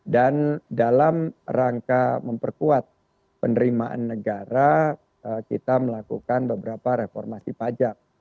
dan dalam rangka memperkuat penerimaan negara kita melakukan beberapa reformasi pajak